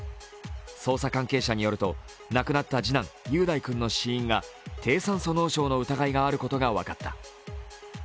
捜査関係者によると亡くなった次男、雄大君の死因が低酸素脳症の疑いがあることが分かった。